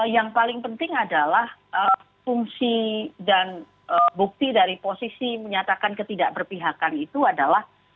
yang paling penting adalah fungsi dan bukti dari posisi menyatakan ketidakberpihakan itu adalah